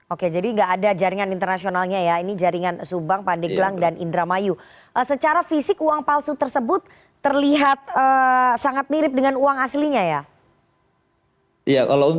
oke jadi gak ada jaringan internasionalnya ya ini jaringan subang pandeglang dan indramayu